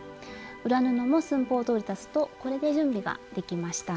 裏布も寸法どおり裁つとこれで準備ができました。